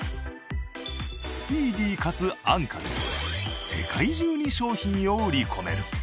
スピーディーかつ安価で世界中に商品を売り込める。